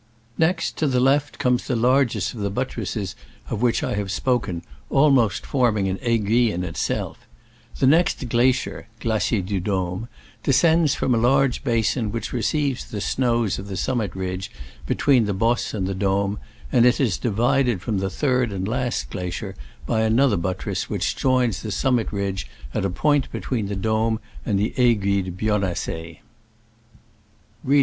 Next, to the left, comes the largest of the buttresses of which I have spoken, almost forming an aiguille in itself. The next glacier (Glacier du D6me) descends from a large basin which receives the snows of the summit ridge between the Bosse and the Dome, and it is divided from the third and last glacier by an other buttress, which joins the summit ridge at a point between the D6me and the Aiguille de.